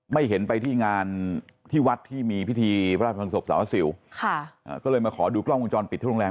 ไม่เห็นไปที่งานที่วัดที่มีพิธีพระราชทานศพสาวสิวค่ะอ่าก็เลยมาขอดูกล้องวงจรปิดที่โรงแรม